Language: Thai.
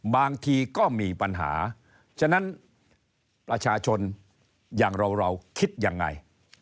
บางทีก็มีปัญหาฉะนั้นประชาชนอย่างเราเราคิดยังไง